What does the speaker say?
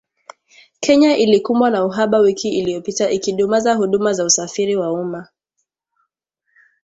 Kenya ilikumbwa na uhaba wiki iliyopita ikidumaza huduma za usafiri wa umma